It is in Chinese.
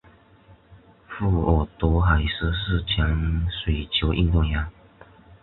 费尔德海斯是前水球运动员。